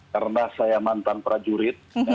karena saya mantan prajurit